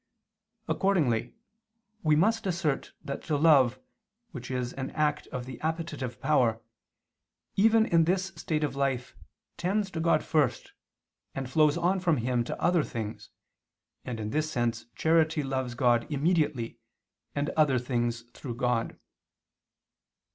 Accordingly, we must assert that to love which is an act of the appetitive power, even in this state of life, tends to God first, and flows on from Him to other things, and in this sense charity loves God immediately, and other things through God.